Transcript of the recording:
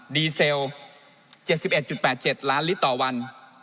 ดีเซล๗๑๘๗ล้านลิตรต่อวัน